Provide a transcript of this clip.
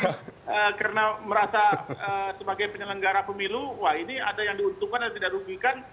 jadi karena merasa sebagai penyelenggara pemilu wah ini ada yang diuntungkan dan tidak rugikan